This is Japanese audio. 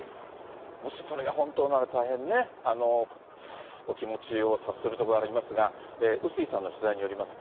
もしそれが本当なら大変ね、お気持ちを察するところがありますが、笛吹さんの取材によりますと。